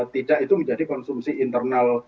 tidak itu menjadi konsumsi internal